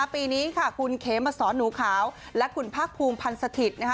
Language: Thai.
ปีนี้คุณเขมสอนหนูขาวและคุณพักภูมิพันธ์สถิตย์